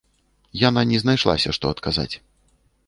Яна не знайшлася, што адказаць.